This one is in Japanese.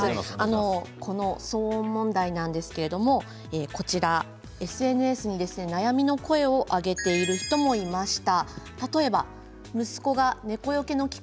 騒音問題ですけれどもＳＮＳに悩みの声を上げている人もいました。